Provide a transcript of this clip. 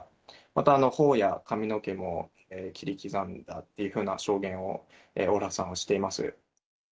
またほおや髪の毛も切り刻んだという証言をオルハさんはしています。